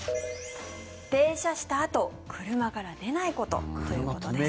停車したあと、車から出ないことということです。